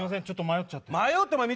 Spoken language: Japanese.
ちょっと迷っちゃって。